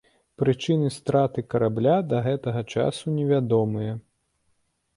Прычыны страты карабля да гэтага часу невядомыя.